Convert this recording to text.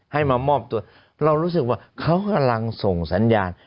ให้มามอบตัวเรารู้สึกว่าเขากำลังส่งสัญญาณ